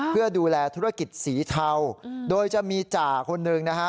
เพื่อดูแลธุรกิจสีเทาโดยจะมีจ่าคนหนึ่งนะฮะ